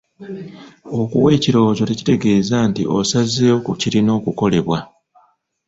Okuwa ekirowoozo tekitegeeza nti osazeewo ku kirina okukolebwa.